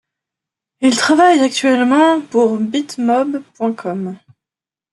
Il travaille actuellement pour Bitmob.com.